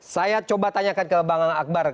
saya coba tanyakan ke bang akbar